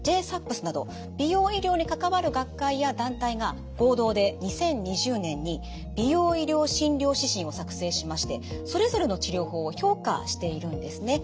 ＪＳＡＰＳなど美容医療に関わる学会や団体が合同で２０２０年に美容医療診療指針を作成しましてそれぞれの治療法を評価しているんですね。